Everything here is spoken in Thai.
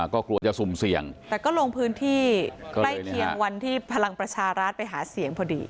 ก็กลัวจะสุ่มเสี่ยงแต่ก็ลงพื้นที่ใกล้เคียงวันที่พลังประชารัฐไปหาเสียงพอดี